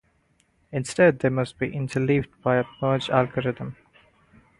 Instead, they must be interleaved by a merge algorithm.